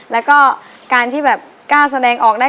แล้วก็การที่แบบกล้าแสดงออกได้